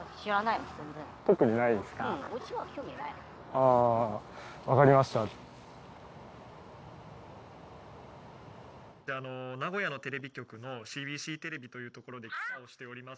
ああ分かりました名古屋のテレビ局の「ＣＢＣテレビ」という所で記者をしております